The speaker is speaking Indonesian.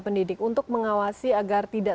pendidik untuk mengawasi agar tidak